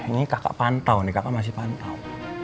ini kakak pantau nih kakak masih pantau